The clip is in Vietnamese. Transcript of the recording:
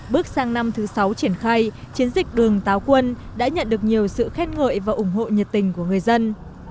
bước sang năm thứ sáu triển khai chiến dịch đường táo quân đã nhận được nhiều sự khen ngợi và ủng hộ nhiệt tình của người dân